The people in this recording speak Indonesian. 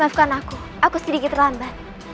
maafkan aku aku sedikit terlambat